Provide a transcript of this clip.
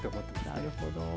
なるほど。